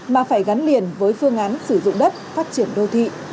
mà phải gắn liền với phương án sử dụng đất phát triển đô thị